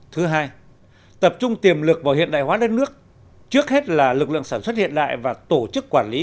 thứ hai tập trung tiềm lực vào hiện đại hóa đất nước trước hết là lực lượng sản xuất hiện đại và tổ chức quản lý